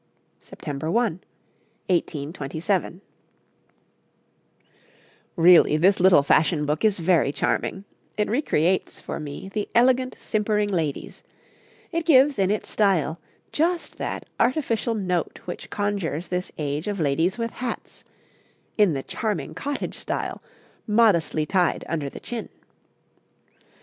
September 1, 1827. Really this little fashion book is very charming: it recreates, for me, the elegant simpering ladies; it gives, in its style, just that artificial note which conjures this age of ladies with hats 'in the charming cottage style, modestly tied under the chin.'